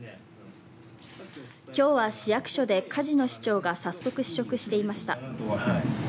きょうは市役所で楫野市長が早速、試食していました。